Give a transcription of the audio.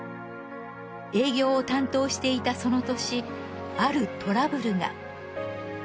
営業を担当していたその年あるトラブルが。